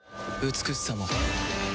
美しさも